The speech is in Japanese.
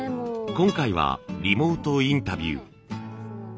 今回はリモートインタビュー。